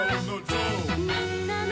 「みんなの」